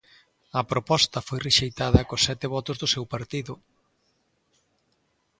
A proposta foi rexeitada cos sete votos do seu partido.